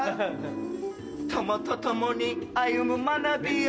友と共に歩む学び舎